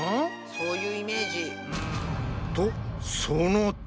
そういうイメージ。